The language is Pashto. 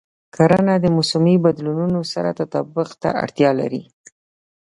کرنه د موسمي بدلونونو سره تطابق ته اړتیا لري.